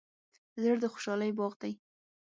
زړه د خوشحالۍ باغ دی.